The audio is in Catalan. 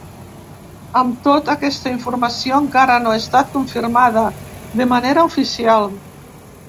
Amb tot, aquesta informació encara no ha estat confirmada de manera oficial.